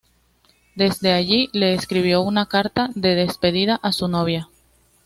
Desde allí le escribió una carta de despedida a su novia.